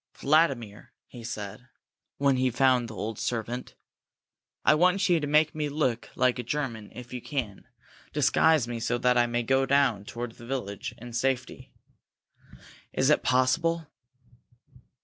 "Vladimir," he said, when he found the old servant, "I want you to make me look like a German, if you can. Disguise me, so that I may go down toward the village safely. Is it possible?"